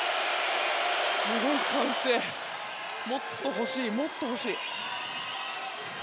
すごい歓声もっと欲しい、もっと欲しい！